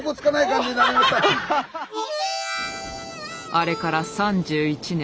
あれから３１年。